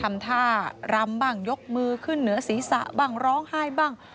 ทำท่ารำบ้างยกมือขึ้นเหนือศีรษะบ้างร้องไห้บ้าง